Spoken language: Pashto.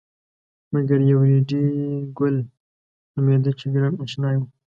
مګر یو ریډي ګل نومېده چې ګران اشنای و.